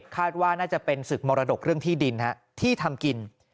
คาดว่าน่าจะเป็นศึกมรดกเรื่องที่ดินที่ทำกิน